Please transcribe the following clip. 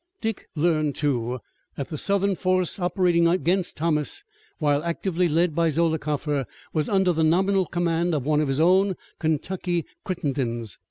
Dick learned, too, that the Southern force operating against Thomas, while actively led by Zollicoffer, was under the nominal command of one of his own Kentucky Crittendens.